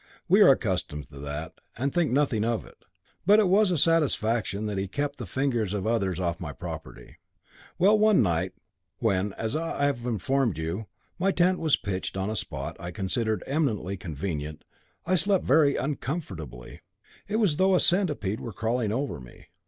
We are accustomed to that, and think nothing of it. But it was a satisfaction that he kept the fingers of the others off my property. Well, one night, when, as I have informed you, my tent was pitched on a spot I considered eminently convenient, I slept very uncomfortably. It was as though a centipede were crawling over me.